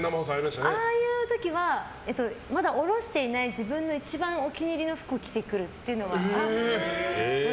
ああいう時はまだおろしていない自分の一番お気に入りの服を着てくるっていうのは。